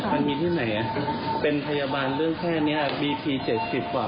มันมีที่ไหนเป็นพยาบาลเรื่องแค่นี้บีที๗๐กว่า